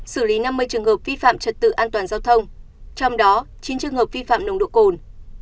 xử lý năm mươi trường hợp vi phạm trật tự an toàn giao thông trong đó chín trường hợp vi phạm nồng độ cồn